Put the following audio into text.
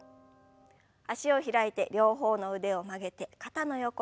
脚を開いて両方の腕を曲げて肩の横へ。